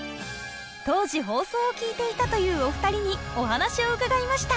当時放送を聴いていたというお二人にお話を伺いました！